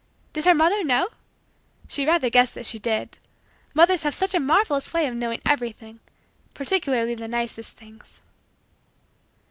Did her mother know? She rather guessed that she did; mothers have such a marvelous way of knowing everything, particularly the nicest things.